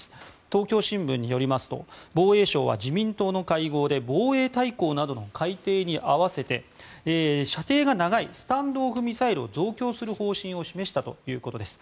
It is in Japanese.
東京新聞によりますと防衛省は自民党の会合で防衛大綱などの改定に合わせて射程が長いスタンド・オフ・ミサイルを増強する方針を示したということです。